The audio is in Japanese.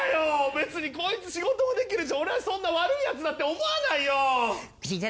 別にこいつ仕事もできるし俺はそんな悪いやつだって思わないよ。